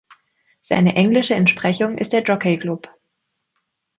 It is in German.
Seine englische Entsprechung ist der Jockey Club.